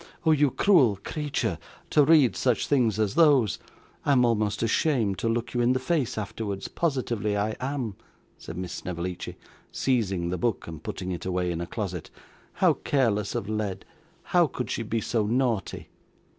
'Oh you cruel creature, to read such things as those! I'm almost ashamed to look you in the face afterwards, positively I am,' said Miss Snevellicci, seizing the book and putting it away in a closet. 'How careless of Led! How could she be so naughty!